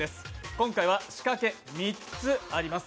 今回は仕掛け３つあります。